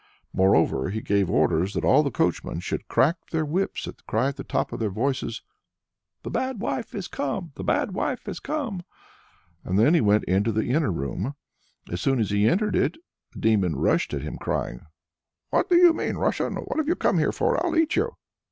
Moreover, he gave orders that all the coachmen should crack their whips and cry at the top of their voices: "The Bad Wife has come! the Bad Wife has come!" and then he went into the inner room. As soon as he entered it, the demon rushed at him crying, "What do you mean, Russian? what have you come here for? I'll eat you!"